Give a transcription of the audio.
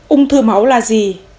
ưng thư máu là gì